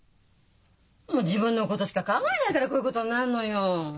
自分のことしか考えないからこういうことになるのよ。